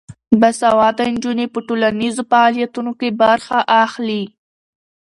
باسواده نجونې په ټولنیزو فعالیتونو کې برخه اخلي.